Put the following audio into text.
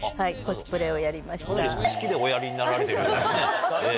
かなり好きでおやりになられてるんですね。